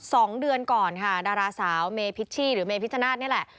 สองเดือนก่อนค่ะดาราสาวเมพิชชี่หรือเมพิชนาธินี่แหละ